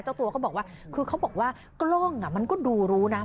เจ้าตัวเขาบอกว่ากล้องมันก็ดูรู้นะ